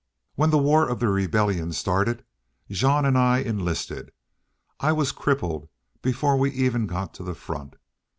When the war of the rebellion started Jean an' I enlisted. I was crippled before we ever got to the front.